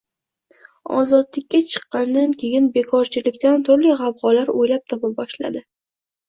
Ozodlikka chiqqandan keyin bekorchilikdan turli g`avg`olar o`ylab topa boshladi